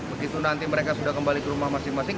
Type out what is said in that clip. begitu nanti mereka sudah kembali ke rumah masing masing